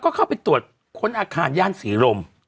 ก็ก็เขาไปตรวจคนอาคารย่านสี่รม